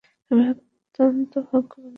আমি অত্যন্ত হতভাগ্য যে, আমি তোমাকে ভালোবাসিয়াছি।